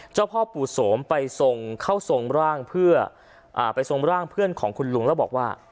เจ้าพ่อปู่โสมไปทรงเข้าทรงร่างเพื่อไปทรงร่างเพื่อนของคุณลุงแล้วบอกว่า